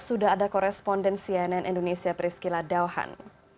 sudah ada koresponden cnn indonesia priscila dauhan